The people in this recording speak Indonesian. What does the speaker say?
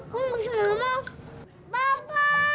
ha eh terbalik